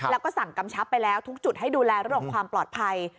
แล้วก็สั่งกำชับไปแล้วทุกจุดให้ดูแลเรื่องของความปลอดภัย